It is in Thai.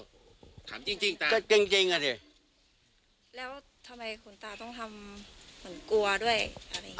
ถามจริงตาคุณตาจริงน่ะสิแล้วทำไมคุณตาต้องทำเหมือนกลัวด้วย